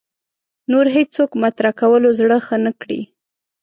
نور هېڅوک مطرح کولو زړه ښه نه کړي